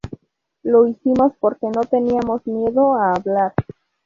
Lo hicimos porque no teníamos miedo a hablar.